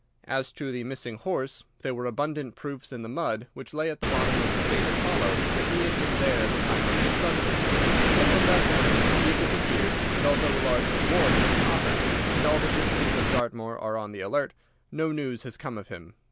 "As to the missing horse, there were abundant proofs in the mud which lay at the bottom of the fatal hollow that he had been there at the time of the struggle. But from that morning he has disappeared, and although a large reward has been offered, and all the gypsies of Dartmoor are on the alert, no news has come of him.